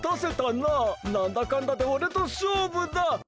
なんだかんだでおれとしょうぶだ！